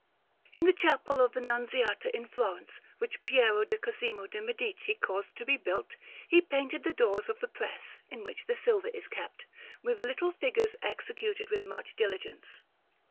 In the Chapel of the Nunziata in Florence which Piero di Cosimo de' Medici caused to be built, he painted the doors of the press (in which the silver is kept) with little figures executed with much diligence.